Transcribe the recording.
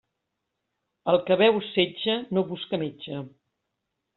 El que beu setge no busca metge.